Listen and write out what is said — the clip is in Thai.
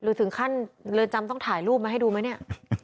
ถึงขั้นเรือนจำต้องถ่ายรูปมาให้ดูไหมเนี่ย